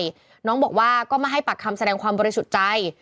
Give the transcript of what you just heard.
น้องนิ่มบอกว่าก็ไม่ให้ปัดคำแสดงความบริจุใจ